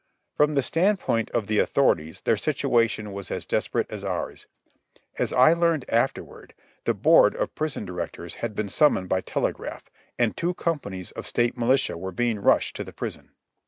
From the standpoint of the authorities, their situation was as desperate as ours. As I learned afterward, the Board of Prison Directors had been summoned by telegraph, and two companies of state militia were being rushed to the prison.